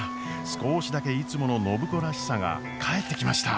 少しだけいつもの暢子らしさが帰ってきました！